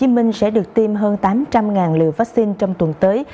hồ chí minh sẽ được tiêm hơn tám trăm linh liều vaccine trong tuần tới